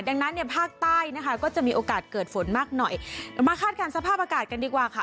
ดังนั้นเนี่ยภาคใต้นะคะก็จะมีโอกาสเกิดฝนมากหน่อยเรามาคาดการณ์สภาพอากาศกันดีกว่าค่ะ